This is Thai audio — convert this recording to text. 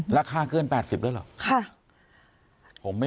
รักษาเกิน๘๐แล้วเหรอ